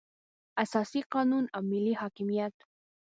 اساسي قانون او ملي حاکمیت.